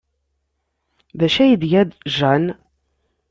D acu ay d-tga Jane?